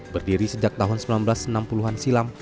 berdiri sejak tahun seribu sembilan ratus enam puluh an silam